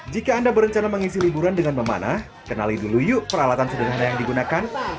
jika anda berencana mengisi liburan dengan memanah kenali dulu yuk peralatan sederhana yang digunakan